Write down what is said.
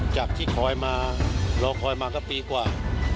จากที่คอยมารอคอยมาก็ปีกว่า